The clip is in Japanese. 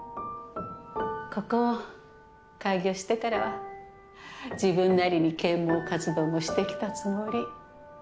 ここを開業してからは自分なりに啓蒙活動もしてきたつもり。